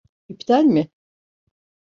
İptal mi?